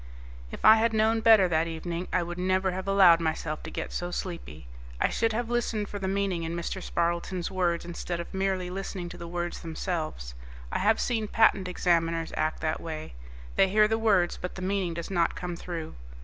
If I had known better that evening, I would never have allowed myself to get so sleepy. I should have listened for the meaning in Mr. Spardleton's words instead of merely listening to the words themselves. I have seen Patent Examiners act that way they hear the words, but the meaning does not come through.